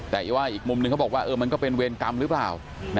แต่ว่าอีกมุมนึงเขาบอกว่ามันก็เป็นเวรกรรมหรือเปล่า